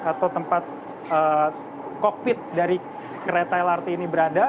atau tempat kokpit dari kereta lrt ini berada